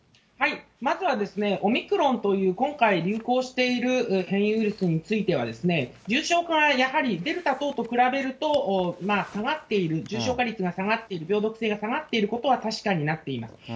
まずはですね、オミクロンという、今回流行している変異ウイルスについては、重症化がデルタ等と比べると下がっている、重症化率が下がっている、強毒性が下がっていることは確かになっています。